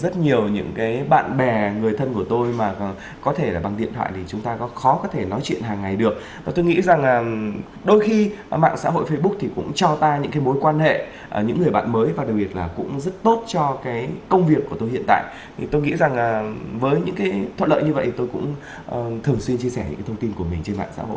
thoải mái chia sẻ những cái thông tin của mình